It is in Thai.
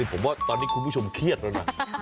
ผมว่าตอนนี้คุณผู้ชมเครียดแล้วนะ